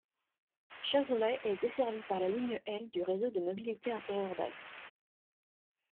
Chazelet est desservie par la ligne L du Réseau de mobilité interurbaine.